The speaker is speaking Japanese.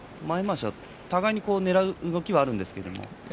前まわしはお互いにねらう動きがあるんですけれども。